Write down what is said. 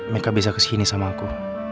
mereka bisa kesini sama aku